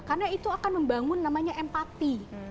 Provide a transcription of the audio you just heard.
karena itu akan membangun namanya empati